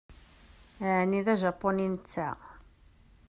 Ɛni d ajapuni netta?